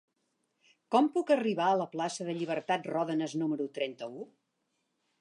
Com puc arribar a la plaça de Llibertat Ròdenas número trenta-u?